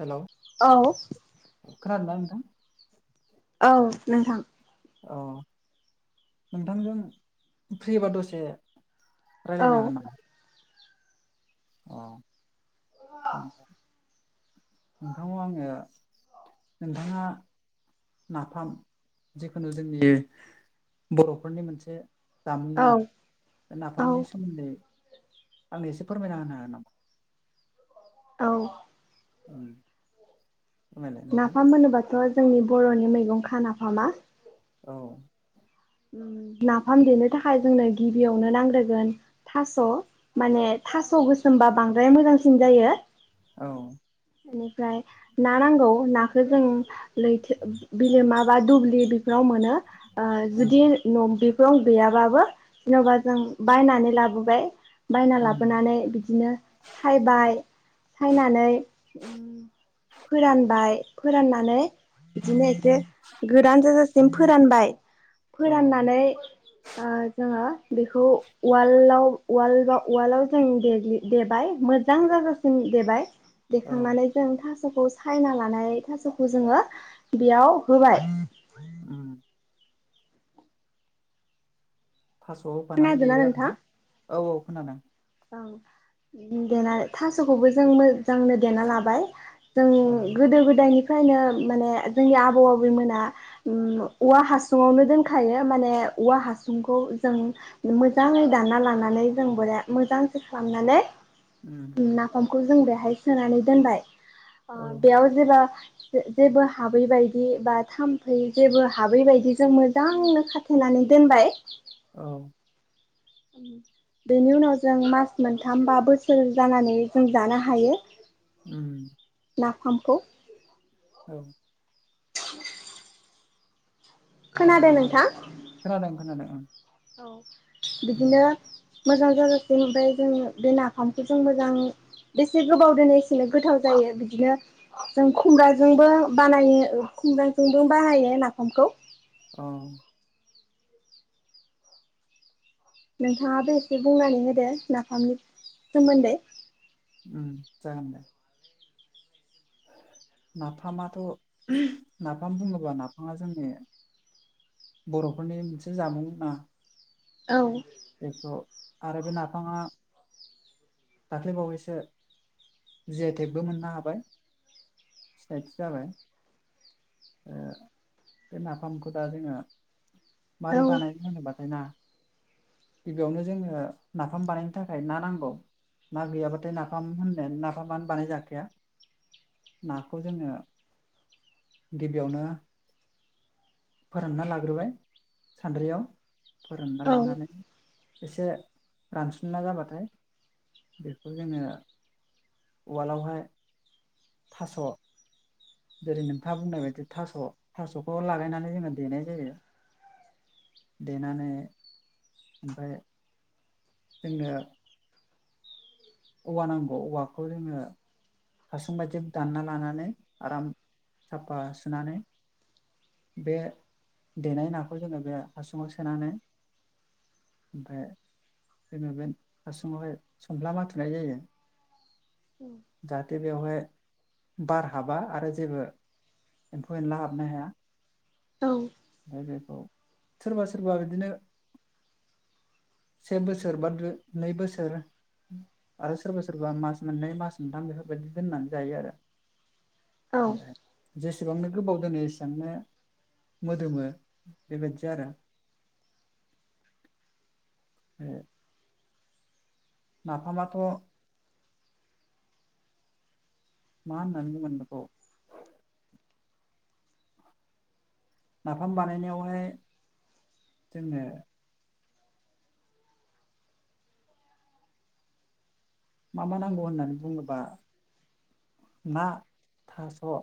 Hello औ खोनादोंना नोंथां? औ नोंथां। अ नोंथांजों फ्रिबा दसे औ रायलायनो हागोन नामा? अ। [unintelligible] नोंथांनाव आङो नोंथाङा नाफाम जिखुनु जोंनि बर'फोरनि मोनसे। औ जामुंना औ नाफामनि सोमोन्दै। आंनो एसे फोरमायना होनो हागोन नामा? औ उम फोरमायलाय नोंथां नाफाम होनोबाथ' जोंनि बर'नि मैगं खा नाफामा। औ नाफाम देनो थाखाय जोंनो गिबियावनो नांग्रोगोन थास' माने थास' गोसोमबा बांद्राय मोजांसिन जायो। औ बेनिफ्राय ना नांगौ नाखो जों लैथो बिलोमा बा दुब्लि बेफोराव मोनो ओ। जुदि उम न' बे रं गैयाबाबो जेन'बा जों बायनानै लाबोबाय। बायना उम लाबोनानै बिदिनो सायबाय सायनानै। फोरानबाय फोराननानै‌ बिदिनो एसे गोरान जाजा। सिम फोरानबाय। औ फोराननानै ओ जोङो- बेखौ वालदाव वार्डब वाराल्डआव जों दे देबाय मोजां जाजासिम देबाय। औ देखांनानै जों थास थास'खौ सायना लानाय थास'खौ जोङो बेयाव होबाय। उमह थास'वाव बानानै खोनादोंना देयो आरो ना। औ औ खोनादों। देनानै थास'खौबो जों मोजांनो देना लाबाय। जों औ गोदो गोदायनि ओमफायनो माने जोंनि आबौ आबैमोना उम औवा हासुङावनो दोनखायो माने औवा हासुंखौ जों मोजाङै दानना लानानै जों बोरा मोजांसो खालामनानै उम नाफाम खौ जों बेहाय सोनानै दोनबाय ओ औ बेआव जेला ज जेबो हाबै बायदि बा थाम्फै जेबो हाबै बायदि जों मोजांनो खाथेनानै दोनबाय औ बेनि उनाव जों मास मोनथाम बा बोसोर जानानै जों जानो हायो उम नाफामखौ। [inaudible] खोनादों नोंथां? खोनादों खोनादों ओं। औ बिदिनो उम मोजां [unintelligible] ओमफ्राय जों बे नाफामखौ जों मोजां बेसे गोबाव दोनो एसेनो गोथाव जायो बिदिनो जों खुमब्राजोंबो बानायो खुमब्राजोंबो बाहायो नाफामखौ औ नोंथाङाब बे एसे बुंनानै होदो नाफामनि सोमोन्दै। उम जागोन दे नाफामाथ' नाफाम बुङोब्ला नाफामा जोंनि बर'फोरनि मोनसे जामुं ना औ बेखौ आरो बे नाफाङा दाख्लैबावैसो जुयइ टेकबो मोननो हाबाय सिनायथि जाबाय ओ बे नाफामखौ दा जोङो औ मारै बानायनो होनोबाथाय ना गिबियावनो जोङो नाफाम बानायनो थाखाय ना नांगौ ना गैयाबाथाय नाफाम होन्नाय नाफामानो बानाय जाखाया नाखौ जोङो गिबियावनो फोरानना लाग्रोबाय सान्द्रियाव फोरोंना औ लानानै एसे रानसनना जाबाथाय बेखौ जोङो उवालावहाय थास जेरै नोंथाङा बुंनाय बायदि थास' थास'खौ लालायनानै जोङो देनाय जायो देनानै ओमफ्राय जोंनो औवा नांगौ औवाखौ जोङो हासुं बायदि दान्ना लानानै आराम साफा सुनानै बे देनाय नाखौ जोङो बे हासुङाव सोनानै ओमफ्राय जोङो बे हासुङावहाय संफ्ला माथुनाय जायो जाहाथे बेवहाय बार हाबा आरो जेबो एम्फौ एनला हाबनो हाया औ ओमफ्राय बेखौ सोरबा सोरबा बिदिनो से बोसोर बा नै बोसोर आरो सोरबा सोरबा मास मोननै मास मोनथाम बेफोरबायदि दोन्नानै जायो आरो औ [unintelligible] सेबांनो गोबाव दोनो एसेबांनो मोदोमो बेबायाददि आरो [unintelligible] नाफामाथ' मा होनानै बुंगोन बेखौ नाफाम बानायनायावहाय जोनो मा मा नांगौ होननानै बुङोबा ना थास'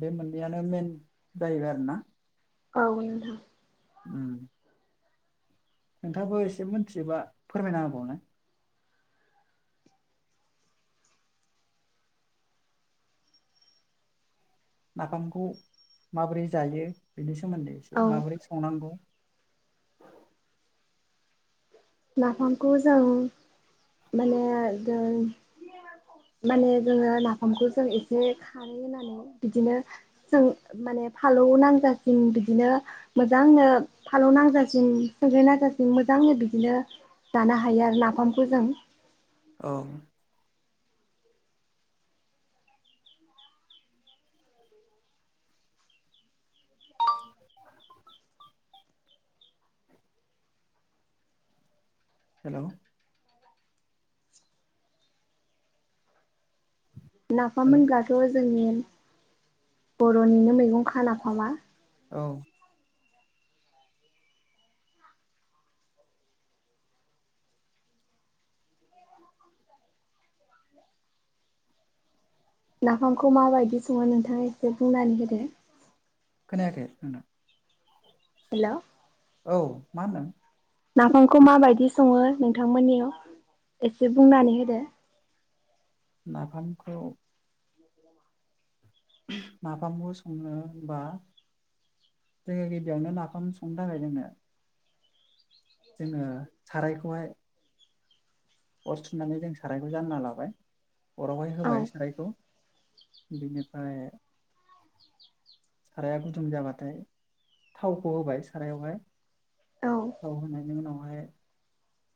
बे मोननैआनो मेन जाहैबाय आरोना औ नोंथां। नोंथां आबो एसे मिथियोबा फोरमायना होबावनाय? नाफामखौ माबोरै जायो बेनि सोमोन्दै एसे औ माबोरै संनांगौ। [inaudible] नाफामखौ जों माने जों माने जोङो नाफामखौ जों एसे खारै होननानै बिदिनो जों माने फालौ नांजासिम बिदिनो मोजांनो फालौ नांजासिम फालौ नांजासिम मोजांनो बिदिनो। जानो हायो आरो नाफामखौ जों। औ। हेलौ नाफाम हेल' होनब्लाथ'। जोंनि बर'निनो मैगं खा नाफामा। औ। नाफामखौ माबायदि सङो नोंथाङा एसे बुंनानै होदो। खोनाखै नोंथां। हेलौ औ मा होनदों? नाफामखौ माबायदि सङो नोंथांमोननियाव एसे बुंनानै होदो? नाफामखौ। नाफामखौ संनो होमबा जोङो गिबियावनो नाफाम संनो थाखाय जोङो जोङो सारायखौहाय। अर सुनानै जों सारायखौ जानना लाबाय। अरावहाय औ होबाय सारायखौ। बेनिफ्राय साराया गुदुं जाबाथाय थावखौ होबाय सारायावहाय। औ थाव होनायनि उनाव। फ्राय।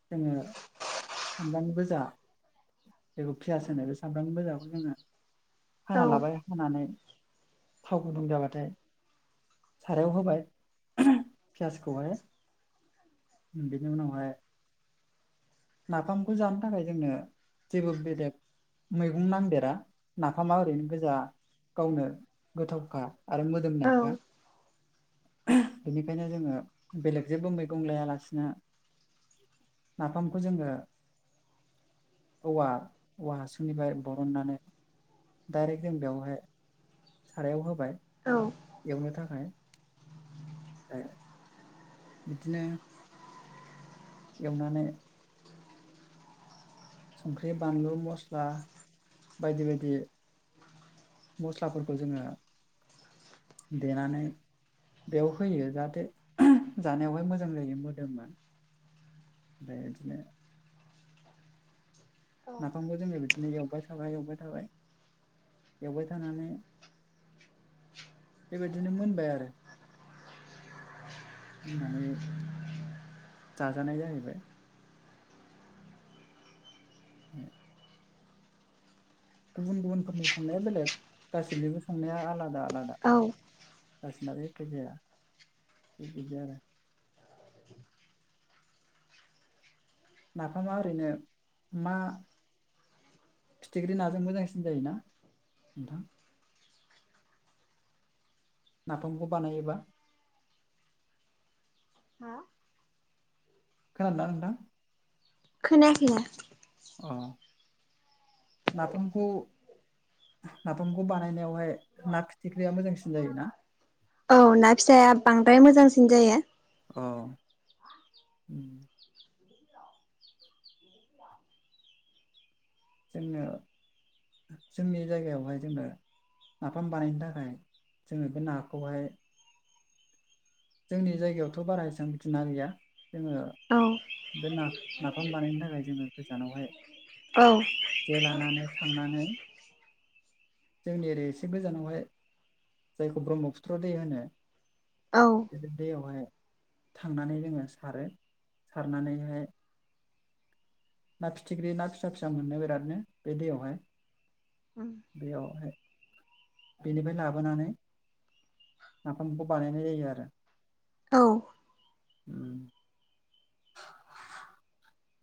जोङो। सामब्राम गोजा जेखौ पियास होनो बे सामब्राम गोजाखौ जोङो औ हाना लाबाय हानानै थाव गुदुं जाबाथाय सारायाव होबाय पियासखौहाय बेनि उनावहाय। नाफामखौ जानो थाखाय जोंनो जेबो बेलेग मैगं नांदेरा नाफामा ओरैनो गोजा गावनो गोथावखा। आरो औ मोदोमनायखा। बेनिखायनो जोङो बेलेग जेबो मैगं लायालासिनो नाफामखौ जोङो। औवा औवा हासुंनिफ्राय बरननानै डाइरेक्ट जों बेयावहाय। सारायाव होबाय। औ एयावनो था। फाय। [unintelligible] बिदिनो। एवनानै। संख्रि बानलु मस्ला बायदि बायदि मस्लाफोरखौ जोङो देनानै बेयाव होयो जाहाथे जानायावहाय मोजां जायो मोदोममोन ओमफ्राय बिदिनो। नाफामखौ जोङो बिदि। नो एवबाय थाबाय एवबाय थाबाय एवबाय थानानै बेबायदिनो मोनबाय आरो मोननानै जाजानाय जाहैबाय। [inaudible] गुबुन गुबुनफोरनि संनाया बेलेग गासिनिबो संनाया आलादा। आलादा औ। गासिनाबो एखे जाया थिग बिदि आरो। नाफामा ओरैनो मा फिथिख्रि नाजों मोजांसिन जायोना नोंथां? नफामखौ बानायोबा हा खोनादोंना नोंथां? खोनायाखैनो। अ नफामखौ नाफामखौ बानायनायावहाय ना फिथिख्रिया मोजांसिन जायोना? औ ना फिसाया बांद्राय मोजांसिन जायो। अ उम जोंनो जोंनि जायगायावहाय जोंनो नाफाम बानायनो थाखाय जोङो बे नाखौहाय जोंनि जायगायावथ' बारा एसेबां बिदिना गैया जोङो औ बे नाफ नाफाम बानायनो थाखाय जोङो गोजानावहाय औ जे लानानै थांनानै जोंनि ओरै एसे गोजानावहाय जायखौ ब्रह्मपुत्र दै होनो औ बे दैयावहाय थांनानै जोङो सारो सारनानैहाय ना फिथिख्रि ना फिसा फिसा मोनो बेरादनो बे दैयावहाय बेयाव हाय बेनिफ्राय लाबोनानै नाफामखौ बानायनाय जायो आरो औ उम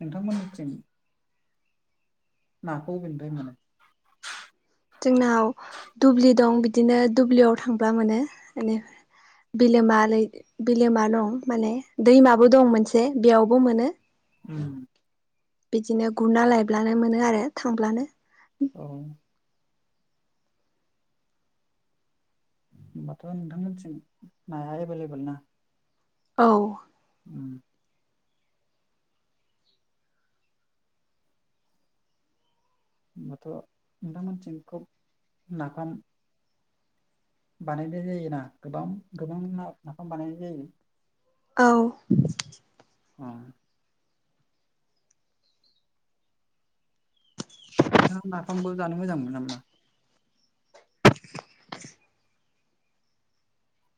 नोंथांमोनिथिं ना खौ अबिनिफाय मोनो? जोंनाव दुब्लि दं बिदिनो दुब्लियाव थांब्ला मोनो बिलोम बिलोमा दं माने दैमाबो दं मोनसे बेयावबो मोनो उम बिदिनो गुरना लायब्लानो मोनो आरो थांब्लानो औ होनोमबाथ' नोंथांमोनथिं नाया एभलेबोल ना? औ उम होमबाथ' नोंथां मोनिथिं खोब नाफाम बानायनाय जायोना गोबां गोबां ना नाफाम बानायनाय जायो औ अ नोंथाङा नाफामखौ जानो मोजां मोनगोना मोना?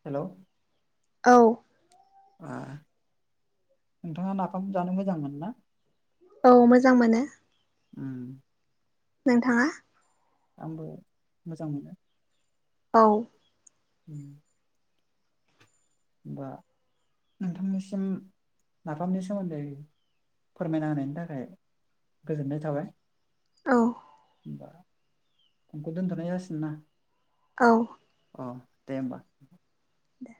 हेलौ औ ओ नोंथाङा नाफाम जानो मोजांमोनो ना? औ मोजां मोनो। उम नोंथाङा? आंबो मोजां मोनो औ उम होमबा नोंथांनिसिम नाफामनि सोमोन्दै फोरमायना होनायनि थाखाय गोजोन्नाय थाबाय। औ होमबा फनखौ दोनथ'नाय जासिनो ना। औ अ दे होमबा। दे